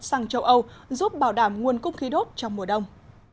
sang châu âu giúp bảo đảm nguồn cung khí đốt trong mùa đông